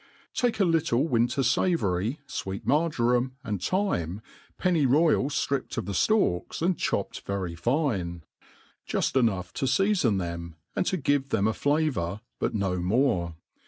Take a little winter favoury, fweet marjoram, and thynle, penny*royat ftripped of the ftalks, and chopped very fine; juii enough to &afon them, and to give them a flavour, but no more.